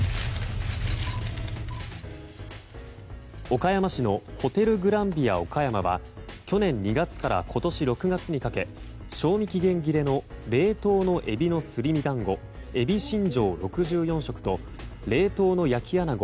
岡山市のホテルグランヴィア岡山は去年２月から今年６月にかけ賞味期限切れの冷凍のエビのすり身団子海老しんじょう、６４食と冷凍の焼きアナゴ